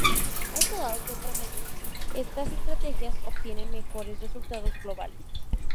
Esto dado que en promedio estas estrategias obtienen mejores resultados globales.